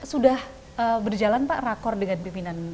sudah berjalan pak rakor dengan pimpinan